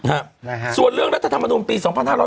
ครับส่วนเรื่องรัฐธรรมนุนปี๒๕๖๐ล่ะ